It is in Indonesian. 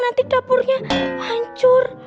nanti dapurnya hancur